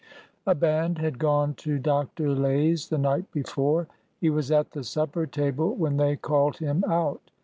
A band had gone to Dr. Lay's the night before. He was at the supper table when they called him out.